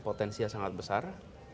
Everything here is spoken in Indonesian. potensi sangat besar